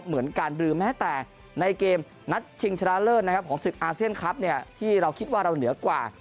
เหมือนกันหรือแม้แต่ในเกมนัดชิงชนะเลิศนะครับของศึกอาเซียนคลับเนี่ยที่เราคิดว่าเราเหนือกว่า